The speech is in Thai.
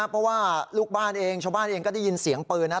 เพราะว่าลูกบ้านเองชาวบ้านเองก็ได้ยินเสียงปืนนะ